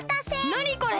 なにこれ！